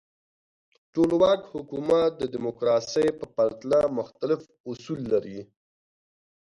ټولواک حکومت د دموکراسۍ په پرتله مختلف اصول لري.